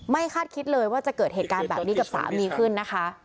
คาดคิดเลยว่าจะเกิดเหตุการณ์แบบนี้กับสามีขึ้นนะคะ